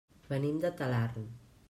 Venim de Talarn.